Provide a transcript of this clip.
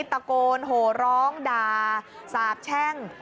ตะโกนโหร้องด่าสาบแช่ง